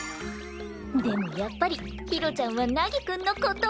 でもやっぱりひろちゃんは凪くんの事。